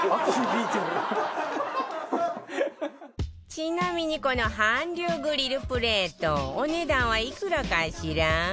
ちなみにこの韓流グリルプレートお値段はいくらかしら？